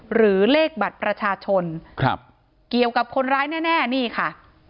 หรือเลขบัตรประชาชนครับเกี่ยวกับคนร้ายแน่นี่ค่ะ